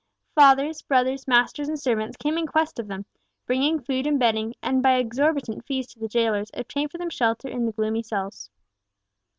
Fathers, brothers, masters, and servants, came in quest of them, bringing food and bedding, and by exorbitant fees to the jailers obtained for them shelter in the gloomy cells.